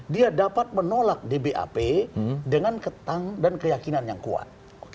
dia dapat menolak dbap dengan ketang dan keyakinan yang kuat